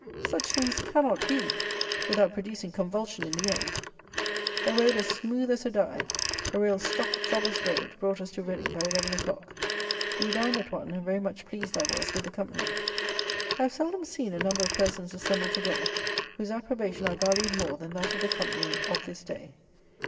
Such things cannot be, without producing convulsion in the end! A road as smooth as a die, a real stock jobber's road, brought us to Reading by eleven o'clock. We dined at one; and very much pleased I was with the company. I have seldom seen a number of persons assembled together, whose approbation I valued more than that of the company of this day.